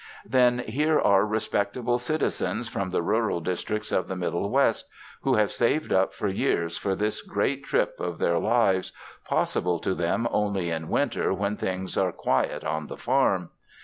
Then here are respectable citizens from the rural districts of the Middle West who have saved up for years for this the great trip of their lives, possible to them only in winter when things are quiet on the farm.